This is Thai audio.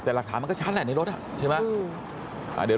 แต่หลักฐานก็ชัดในรถมาไต้